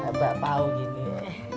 kami juga mencari jalan untuk mencari jalan